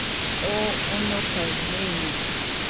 Oo onokaɨ jenide.